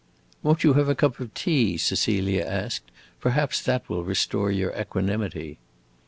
"Won't you have a cup of tea?" Cecilia asked. "Perhaps that will restore your equanimity."